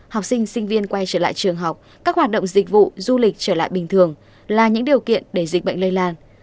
học sinh sinh viên quay trở lại trường học các hoạt động dịch vụ du lịch trở lại bình thường là những điều kiện để dịch bệnh lây lan